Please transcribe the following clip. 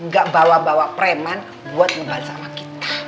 gak bawa bawa preman buat ngebahas sama kita